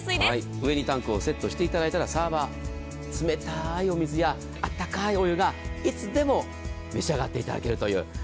上にタンクをセットしていただいたらサーバー、冷たいお水や温かいお湯がいつでも召し上がっていただけるという。